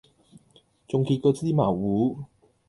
重杰過芝麻糊